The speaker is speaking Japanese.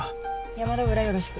山田裏よろしく。